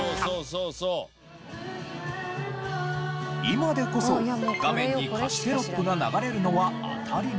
今でこそ画面に歌詞テロップが流れるのは当たり前。